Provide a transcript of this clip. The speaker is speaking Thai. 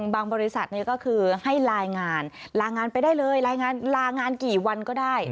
บางบริษัทก็คือให้รายงานลางานไปได้เลยรายงานลางานกี่วันก็ได้